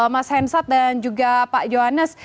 mas hensat dan juga pak johannes